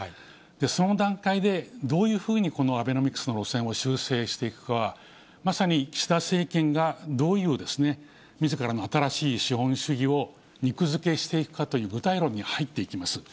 その段階でどういうふうにこのアベノミクスの路線を修正していくかは、まさに岸田政権がどういうみずからの新しい資本主義を肉付けしていくかという具体論に入っていきます。